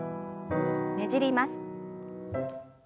ねじります。